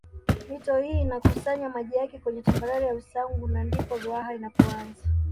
Mito hii inakusanya maji yake kwenye tambarare ya Usangu na ndipo Ruaha inapoanza